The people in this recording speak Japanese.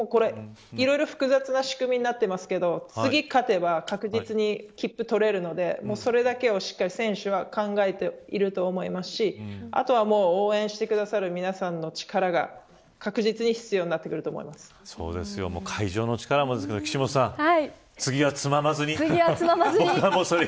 いろいろ複雑な仕組みになっていますが、次勝てば確実に切符を取れるのでそれだけをしっかり選手は考えていると思いますしあとは応援してくださる皆さんの力が会場の力もですけど岸本さん、次はつままずに。